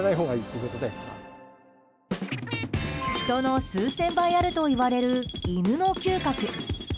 人の数千倍あるといわれる犬の嗅覚。